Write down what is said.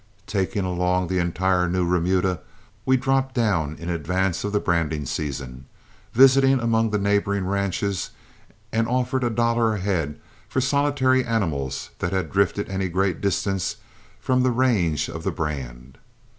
Taking along the entire new remuda, we dropped down in advance of the branding season, visited among the neighboring ranches, and offered a dollar a head for solitary animals that had drifted any great distance from the range of the brand.